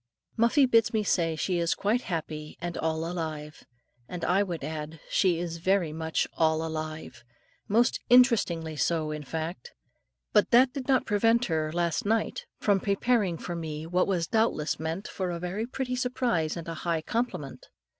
Muffie bids me say she is quite happy and all alive. And I would add, she is very much all alive, most interestingly so, in fact. But that did not prevent her, last night, from preparing for me, what was doubtless meant for a very pretty surprise and a high compliment.